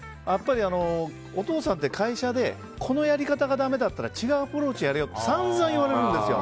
お父さんって会社でこのやり方がだめだったら違うアプローチをやれよってさんざん言われるんですよ。